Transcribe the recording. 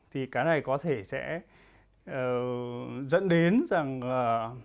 thì cái này có thể sẽ dẫn đến rằng